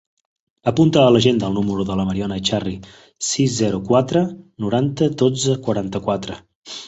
Apunta a l'agenda el número de la Mariona Echarri: sis, zero, quatre, noranta, dotze, quaranta-quatre.